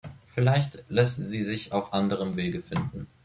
Vielleicht lässt sie sich auf anderem Wege finden.